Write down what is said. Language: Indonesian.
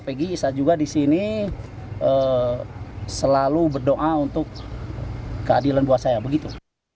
saya juga di sini selalu berdoa untuk keadilan buat saya begitu